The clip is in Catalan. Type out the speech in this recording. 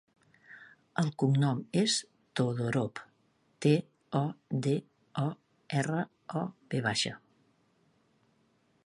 El cognom és Todorov: te, o, de, o, erra, o, ve baixa.